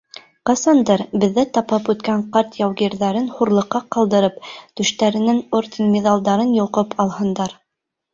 Ҡасандыр беҙҙе тапап үткән ҡарт яугирҙәрен хурлыҡҡа ҡалдырып, түштәренән орден-миҙалдарын йолҡоп алһындар.